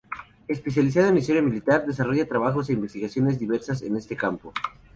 Especializado en historia militar, desarrolla trabajos e investigaciones diversas en este campo.